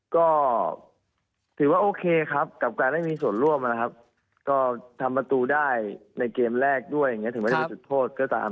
ก็ถือว่าโอเคครับกับการไม่มีส่วนร่วมนะครับก็ทำประตูได้ในเกมแรกด้วยอย่างนี้ถึงไม่ได้มีจุดโทษก็ตาม